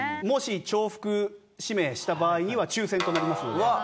もし重複指名した場合には抽選となりますので。